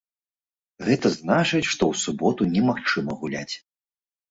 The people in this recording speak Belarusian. Гэта значыць, што ў суботу немагчыма гуляць.